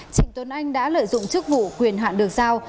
trịnh tuấn anh đã lợi dụng chức vụ quyền hạn được giao